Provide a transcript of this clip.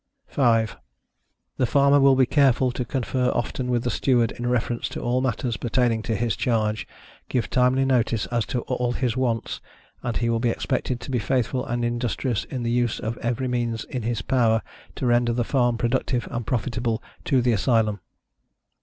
5. The Farmer will be careful to confer often with the Steward in reference to all matters pertaining to his charge, give timely notice as to all his wants, and he will be expected to be faithful and industrious in the use of every means in his power, to render the farm productive and profitable to the Asylum.